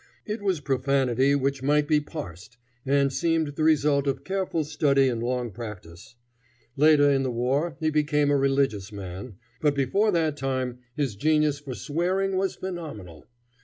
It was profanity which might be parsed, and seemed the result of careful study and long practice. Later in the war he became a religious man, but before that time his genius for swearing was phenomenal.